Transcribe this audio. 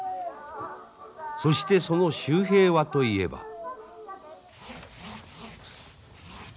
そしてその秀平はといえば。